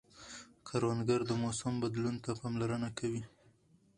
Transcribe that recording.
کروندګر د موسم بدلون ته پاملرنه کوي